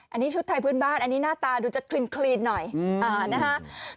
อันนี้ชุดไทยพื้นบ้านอันนี้หน้าตาดูจะคลีนหน่อยนะฮะ